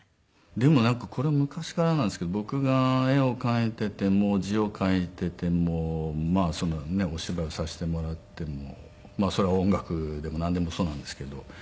でもなんかこれ昔からなんですけど僕が絵を描いていても字を書いていてもお芝居をさせてもらってもそれは音楽でもなんでもそうなんですけど。